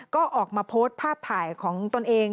ก็ออกมาโพสต์ภาพถ่ายของตนเอง